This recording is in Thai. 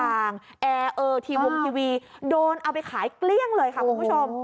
แอร์ทีวงทีวีโดนเอาไปขายเกลี้ยงเลยค่ะคุณผู้ชม